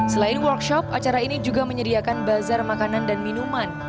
selain workshop acara ini juga menyediakan bazar makanan dan minuman